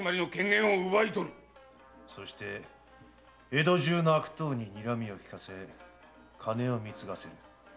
そして江戸中の悪党ににらみを効かせ金を貢がせる。